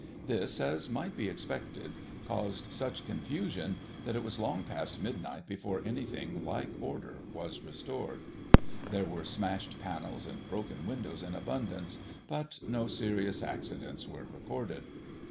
This, as might be / expected, caused such confusion that it was long past midnight before anything Hke order was restored. There were smashed panels and broken windows in abimdance, but no serious accidents were recorded.